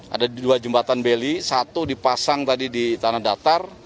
ada dua jembatan beli satu dipasang tadi di tanah datar